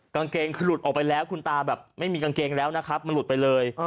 กางเกงคือหลุดออกไปแล้วคุณตาแบบไม่มีกางเกงแล้วนะครับมันหลุดไปเลย